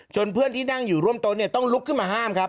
เพื่อนที่นั่งอยู่ร่วมโต๊ะต้องลุกขึ้นมาห้ามครับ